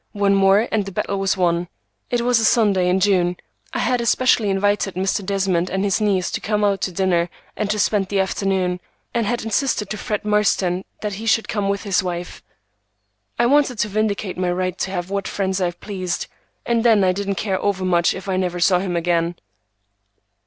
One more and the battle was won. It was a Sunday in June. I had especially invited Mr. Desmond and his niece to come out to dinner and to spend the afternoon, and had insisted to Fred Marston that he should come with his wife. I wanted to vindicate my right to have what friends I pleased, and then I didn't care overmuch if I never saw him again.